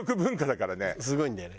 すごいんだよね。